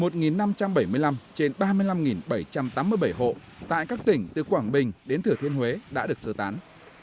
một năm trăm bảy mươi năm trên ba mươi năm bảy trăm tám mươi bảy hộ tại các tỉnh từ quảng bình đến thừa thiên huế đã được sơ tán